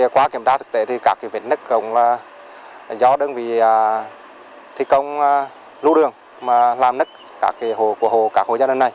qua kiểm tra thực tế các vết nứt gồm là do đơn vị thi công lưu đường mà làm nứt các hồ gia đình này